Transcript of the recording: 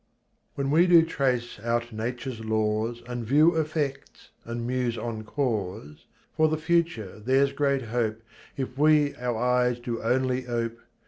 When we do trace out nature's laws, And view effects, and muse on cause, For the future there's great hope If we our eyes do only ope.